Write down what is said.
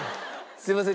すいません